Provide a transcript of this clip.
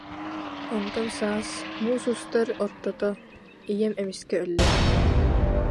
Онтон саас, муус устар ортото, ийэм эмискэ өллө